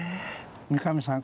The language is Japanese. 三上さん